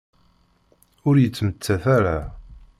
Ur yettmettat ara.